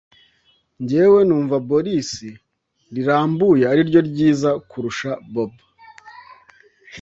ngwee numva Boris rirambuye ariryo ryiza kurusha Bobo